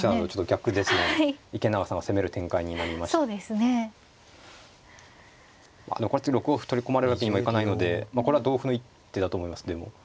でもこれは次６五歩取り込まれるわけにはいかないのでこれは同歩の一手だと思いますでも。